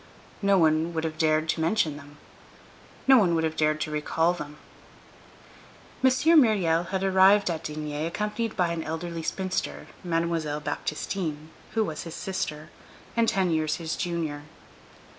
No one would have dared to mention them; no one would have dared to recall them. M. Myriel had arrived at D—— accompanied by an elderly spinster, Mademoiselle Baptistine, who was his sister, and ten years his junior.